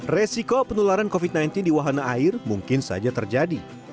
resiko penularan covid sembilan belas di wahana air mungkin saja terjadi